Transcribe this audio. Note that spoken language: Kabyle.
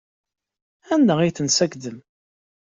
Anda ay tent-tessagdem?